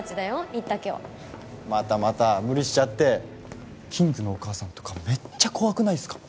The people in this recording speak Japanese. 新田家はまたまた無理しちゃってキングのお母さんとかめっちゃ怖くないっすか？